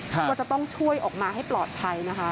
ก็จะต้องช่วยออกมาให้ปลอดภัยนะคะ